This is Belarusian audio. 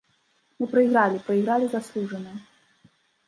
Мы прайгралі, прайгралі заслужана.